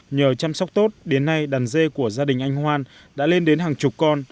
nhờ chăm sóc tốt đến nay đàn dê của gia đình anh hoan đã lên đến hàng chục con